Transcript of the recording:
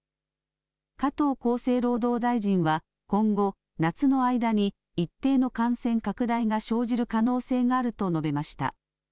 加藤厚生労働大臣は今後、夏の間に一定の感染拡大が生じる可能性があると述べました。